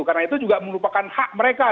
menurut saya mereka merupakan hak mereka